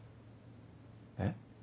えっ？